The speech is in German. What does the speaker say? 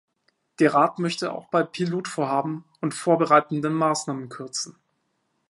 Der Rat möchte auch bei Pilotvorhaben und vorbereitenden Maßnahmen kürzen.